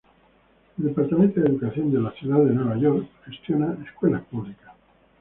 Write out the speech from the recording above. El Departamento de Educación de la Ciudad de Nueva York gestiona escuelas públicas.